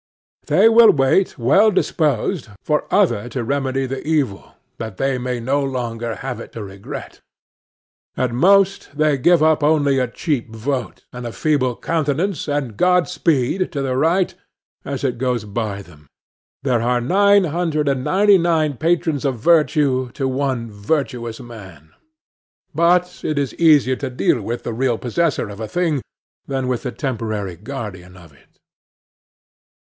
They will wait, well disposed, for others to remedy the evil, that they may no longer have it to regret. At most, they give only a cheap vote, and a feeble countenance and Godspeed, to the right, as it goes by them. There are nine hundred and ninety nine patrons of virtue to one virtuous man; but it is easier to deal with the real possessor of a thing than with the temporary guardian of it.